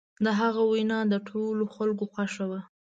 د هغه وینا د ټولو خلکو خوښه وه.